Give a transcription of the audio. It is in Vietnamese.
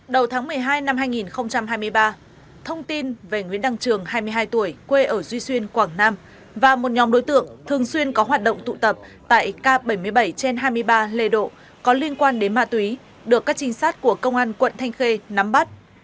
đầu tháng một mươi hai năm hai nghìn hai mươi ba thông tin về nguyễn đăng trường hai mươi hai tuổi quê ở duy xuyên quảng nam và một nhóm đối tượng thường xuyên có hoạt động tụ tập tại k bảy mươi bảy trên hai mươi ba lê độ có liên quan đến ma túy được các trinh sát của công an quận thanh khê nắm bắt